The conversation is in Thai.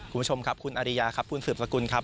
คุณผู้ชมครับคุณอาริยาครับคุณสืบสกุลครับ